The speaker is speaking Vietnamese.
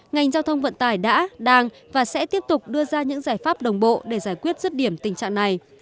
ngành giao thông vận tải đã đang và sẽ tiếp tục đưa ra những giải pháp đồng bộ để giải quyết rứt điểm tình trạng này